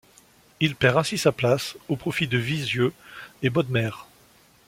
Il perd ainsi sa place au profit de Viseux et Bodmer.